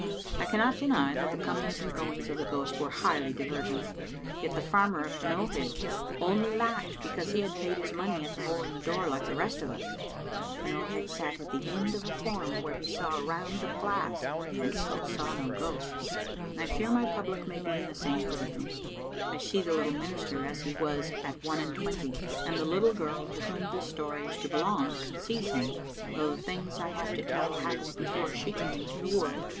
I cannot deny that the comings and goings of the ghost were highly diverting, yet the farmer of T'nowhead only laughed because he had paid his money at the hole in the door like the rest of us. T'nowhead sat at the end of a form where he saw round the glass and so saw no ghost. I fear my public may be in the same predicament. I see the little minister as he was at one and twenty, and the little girl to whom this story is to belong sees him, though the things I have to tell happened before she came into the world.